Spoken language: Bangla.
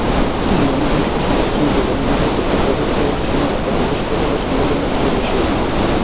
গণতন্ত্র, সমাজতন্ত্র, ধর্মনিরপেক্ষতা প্রভৃতি কয়েকটি শোনা কথা প্রতিষ্ঠাতারা সংবিধানের মাথায় বসিয়ে দেন।